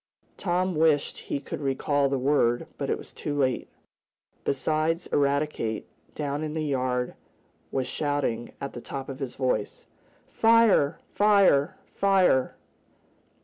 Tom wished he could recall the word, but it was too late. Besides Eradicate, down in the yard was shouting at the top of his voice: "Fire! Fire! Fire!"